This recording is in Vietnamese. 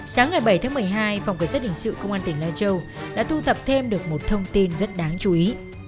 sáng ngày bảy tháng một mươi hai phòng cảnh sát hình sự công an tỉnh lai châu đã thu thập thêm được một thông tin rất đáng chú ý